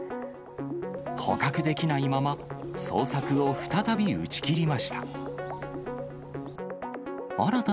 捕獲できないまま、捜索を再び打ち切りました。